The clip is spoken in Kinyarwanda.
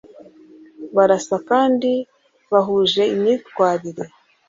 barasa kandi bahuje imyitwarire”.